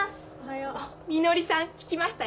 みのりさん聞きましたよ。